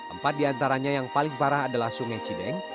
empat di antaranya yang paling parah adalah sungai cideng